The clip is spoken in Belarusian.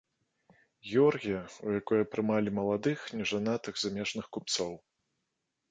Георгія, у якое прымалі маладых, нежанатых замежных купцоў.